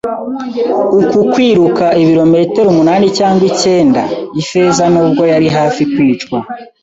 Uku kwiruka ibirometero umunani cyangwa icyenda. Ifeza, nubwo yari hafi kwicwa